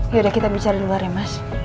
yaudah kita bicara luar ya mas